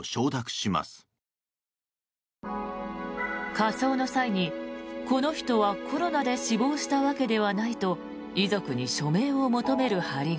火葬の際に、この人はコロナで死亡したわけではないと遺族に署名を求める張り紙。